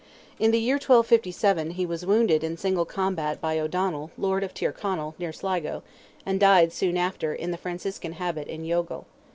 In the year 1257, he was wounded in single combat by O'Donnell, Lord of Tyrconnell, near Sligo, and died soon after in the Franciscan habit in Youghal.